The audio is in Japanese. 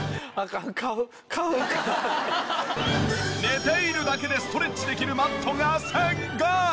寝ているだけでストレッチできるマットがすごい！